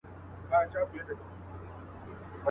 له تا قربان سم مهربانه بابا.